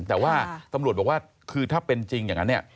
แต่ว่าตำรวจบอกว่าคือถ้าเป็นจริงอย่างนั้นเนี่ย